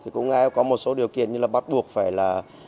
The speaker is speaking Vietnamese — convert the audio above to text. cũng có một số điều kiện như là bắt buộc phải là